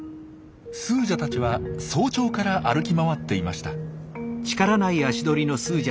スージャたちは早朝から歩き回っていました。